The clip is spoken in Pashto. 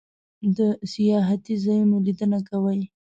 د سیاحتی ځایونو لیدنه کوئ؟